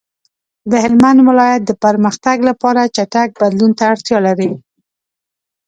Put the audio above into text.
د هلمند ولایت د پرمختګ لپاره چټک بدلون ته اړتیا لري.